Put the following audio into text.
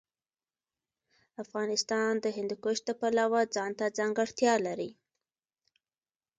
افغانستان د هندوکش د پلوه ځانته ځانګړتیا لري.